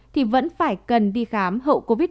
thì vẫn phải cần đi khám hậu covid một mươi chín